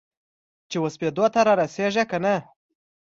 چې وسپېدو ته رارسیږې کنه؟